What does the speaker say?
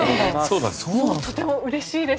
とてもうれしいです。